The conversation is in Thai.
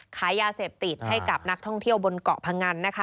ขายยาเสพติดให้กับนักท่องเที่ยวบนเกาะพงันนะคะ